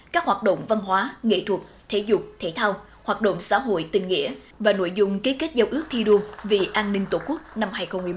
các hoạt động văn hóa nghệ thuật thể dục thể thao hoạt động xã hội tình nghĩa và nội dung kế kết giao ước thi đua vì an ninh tổ quốc năm hai nghìn một mươi bốn